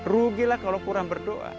rugilah kalau kurang berdoa